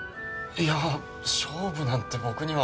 いや勝負なんて僕には。